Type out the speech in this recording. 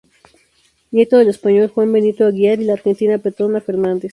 Nieto del español "Juan Benito Aguiar" y la argentina "Petrona Fernández".